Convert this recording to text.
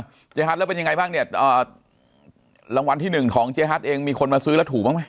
เจ๊ฮัทแล้วเป็นยังไงบ้างเนี่ยรางวัลที่หนึ่งของเจ๊ฮัทเองมีคนมาซื้อแล้วถูกบ้างไหม